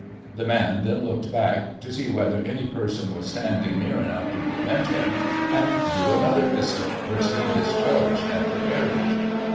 The man then looked back, to see whether any person was standing near enough to prevent him, and drew another pistol, which he discharged at the carriage.